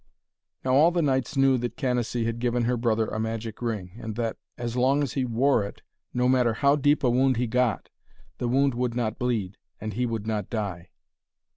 Now all the knights knew that Canacee had given her brother a magic ring, and that, as long as he wore it, no matter how deep a wound he got, the wound would not bleed, and he would not die.